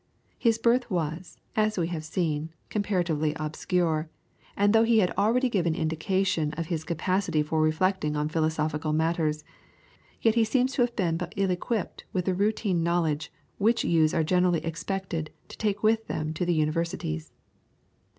His birth was, as we have seen, comparatively obscure, and though he had already given indication of his capacity for reflecting on philosophical matters, yet he seems to have been but ill equipped with the routine knowledge which youths are generally expected to take with them to the Universities.